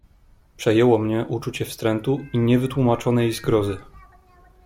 "Przejęło mnie uczucie wstrętu i niewytłumaczonej zgrozy."